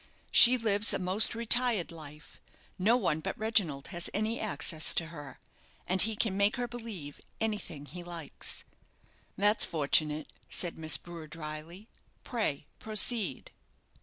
"She lives a most retired life; no one but Reginald has any access to her, and he can make her believe anything he likes." "That's fortunate," said Miss Brewer, drily; "pray proceed."